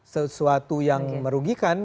sesuatu yang merugikan